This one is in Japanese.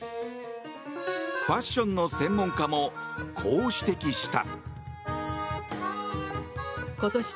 ファッションの専門家もこう指摘した。